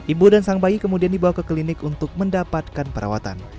ibu dan sang bayi kemudian dibawa ke klinik untuk mendapatkan perawatan